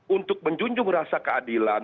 untuk menjunjung rasa keadilan